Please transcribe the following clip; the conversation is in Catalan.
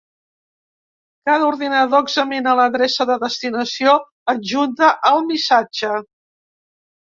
Cada ordinador examina l'adreça de destinació adjunta al missatge.